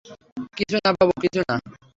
কিছু না বাবু, কিছু না।